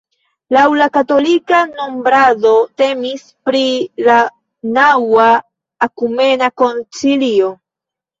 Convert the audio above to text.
Laŭ la katolika nombrado temis pri la naŭa ekumena koncilio.